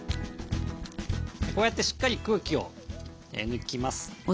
こうやってしっかり空気を抜きます。